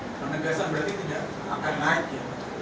pemegasan berarti tidak akan naik